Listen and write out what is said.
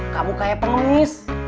kamu kayak pengemis